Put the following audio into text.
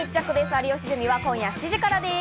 『有吉ゼミ』は今夜７時からです。